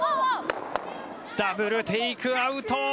ダブルテイクアウト！